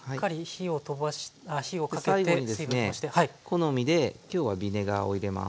好みで今日はビネガーを入れます。